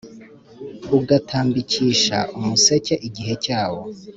ugatambikisha umuseke igihe cyawo,